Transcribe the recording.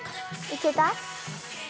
いけた？